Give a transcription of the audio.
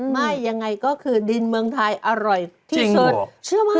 ไม่ยังไงก็คือดินเมืองไทยอร่อยที่สุดเชื่อไหม